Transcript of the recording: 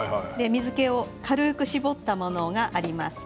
水けを軽く絞ったものがあります。